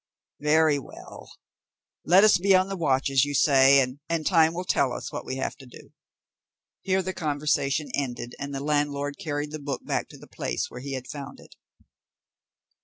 "Very well; let us be on the watch as you say, and time will tell us what we have to do." Here the conversation ended, and the landlord carried the book back to the place where he had found it.